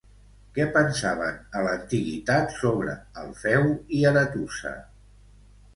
Què pensaven a l'antiguitat sobre Alfeu i Aretusa?